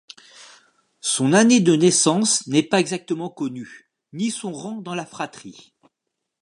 Son année de naissance n'est pas exactement connue, ni son rang dans la fratrie.